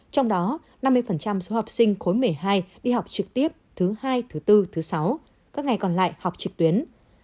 trong đó năm mươi số học sinh khối một mươi hai đi học trực tiếp thứ hai thứ bốn thứ sáu các ngày còn lại học trực tuyến